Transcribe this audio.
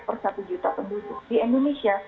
per satu juta penduduk di indonesia